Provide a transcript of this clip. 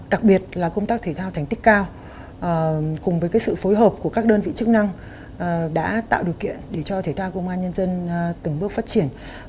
đặc biệt là công tác thể thao thành tích cao cùng với sự phối hợp của các đơn vị chức năng đã tạo điều kiện để cho thể thao công an nhân dân từng bước phát triển